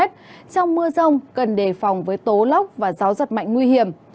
trong mưa rông cần đề phòng với tố lốc và gió giật mạnh nguy hiểm